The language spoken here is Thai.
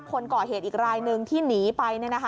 คนก่อเหตุอีกรายหนึ่งที่หนีไป